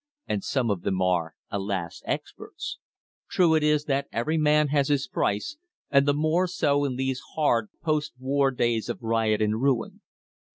And some of them are, alas! experts. True it is that every man has his price, and the more so in these hard, post war days of riot and ruin.